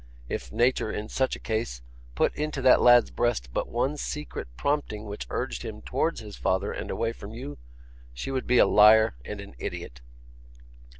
If Nature, in such a case, put into that lad's breast but one secret prompting which urged him towards his father and away from you, she would be a liar and an idiot.